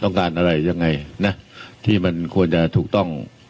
ต้องการอะไรยากไงที่ควรจะถูกต้อง